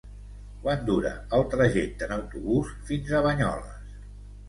Quant dura el trajecte en autobús fins a Banyoles?